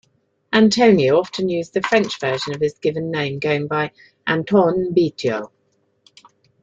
Antonio often used the French version of his given name, going by Antoine Beato.